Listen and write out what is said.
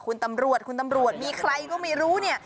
คุณตำรวจคุณตำรวจมีใครก็ไม่รู้เนี่ย